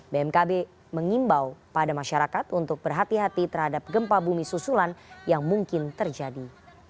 bmkb mengimbau pada masyarakat untuk berhati hati terhadap gempa bumi susulan yang mungkin terjadi